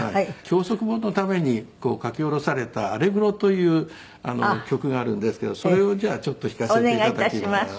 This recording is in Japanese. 教則本のために書き下ろされた『アレグロ』という曲があるんですけどそれをじゃあちょっと弾かせて頂きます。